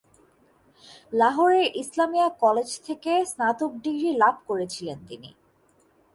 লাহোরের ইসলামিয়া কলেজ থেকে স্নাতক ডিগ্রী লাভ করেছিলেন তিনি।